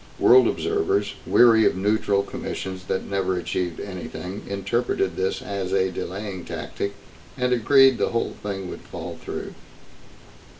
World observers, weary of neutral commissions that never achieved anything, interpreted this as a delaying tactic and agreed the whole thing would fall through.